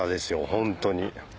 ホントに。